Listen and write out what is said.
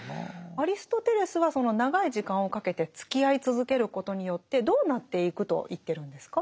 アリストテレスはその長い時間をかけてつきあい続けることによってどうなっていくと言ってるんですか？